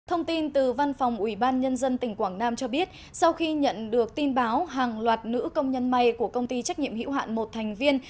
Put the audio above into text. thông tin từ văn phòng ubnd tỉnh quảng nam cho biết sau khi nhận được tin báo hàng loạt nữ công nhân may của công ty trách nhiệm hữu hạn một thành viên